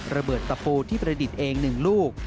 ระเบิดตะปูที่ประดิษฐ์เอง๑ลูก